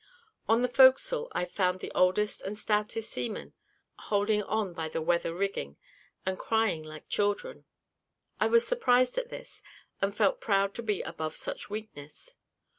On the forecastle, I found the oldest and stoutest seamen holding on by the weather rigging, and crying like children: I was surprised at this, and felt proud to be above such weakness.